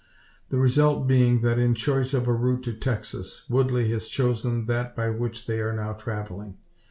The result being, that in choice of a route to Texas, Woodley has chosen that by which they are now travelling.